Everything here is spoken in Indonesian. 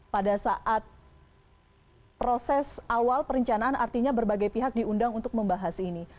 pada saat proses awal perencanaan artinya berbagai pihak diundang untuk membahas ini